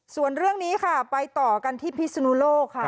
ส่วนเรื่องนี้ค่ะไปต่อกันที่พิศนุโลกค่ะ